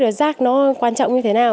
rồi rác nó quan trọng như thế nào